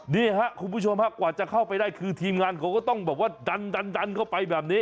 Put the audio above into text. นี่ครับคุณผู้ชมฮะกว่าจะเข้าไปได้คือทีมงานเขาก็ต้องแบบว่าดันเข้าไปแบบนี้